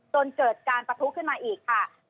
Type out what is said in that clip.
จนเกิดการปะทุขึ้นมาอีกค่ะ